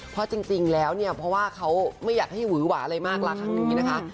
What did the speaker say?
เพราะจริงแล้วเนี่ยเพราะว่าเขาไม่อยากให้หือหวาอะไรมากละครั้งนี้นะคะ